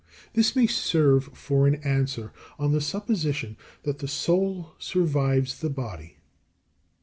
This may serve for an answer, on the supposition that the soul survives the body.